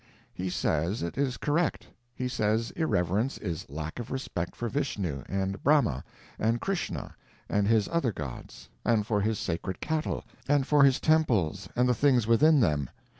He says it is correct. He says irreverence is lack of respect for Vishnu, and Brahma, and Chrishna, and his other gods, and for his sacred cattle, and for his temples and the things within them.